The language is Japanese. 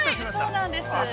◆そうなんです。